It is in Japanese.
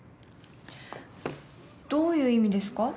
どういう意味ですか？